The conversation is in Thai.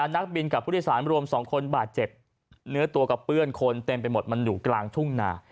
นักบินกับผู้โดยสารรวม๒คนบาดเจ็บเนื้อตัวกระเปื้อนคนเต็มไปหมดมันอยู่กลางทุ่งนา